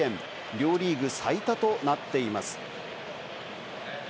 両リーグ最多となっています。